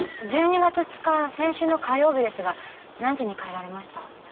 １２月２日先週の火曜日ですが何時に帰られました？